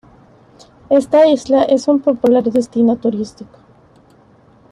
Esta isla es un popular destino turístico.